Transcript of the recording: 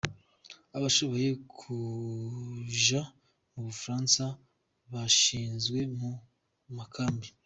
Abashoboye kuja mu Bufaransa bashizwe mu makambi.